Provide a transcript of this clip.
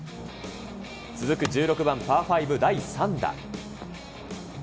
続く１６番パー５第３打。